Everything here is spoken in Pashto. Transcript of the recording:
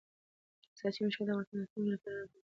سیاسي مشارکت د افغانستان د راتلونکي لپاره حیاتي دی